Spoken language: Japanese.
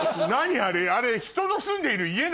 あれ。